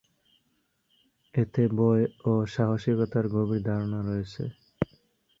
এতে ভয় ও সাহসিকতার গভীর ধারণা রয়েছে।